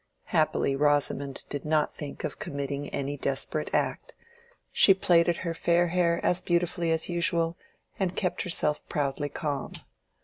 Happily Rosamond did not think of committing any desperate act: she plaited her fair hair as beautifully as usual, and kept herself proudly calm.